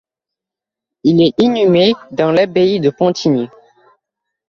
Il est inhumé dans l'Abbaye de Pontigny.